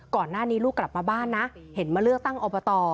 ก่อนหน้านี้ลูกกลับมาบ้านนะเห็นมาเลือกตั้งอบต